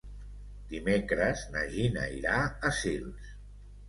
Dimecres na Gina irà a Sils.